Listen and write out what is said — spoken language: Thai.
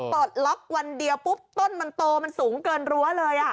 ปลดล็อกวันเดียวปุ๊บต้นมันโตมันสูงเกินรั้วเลย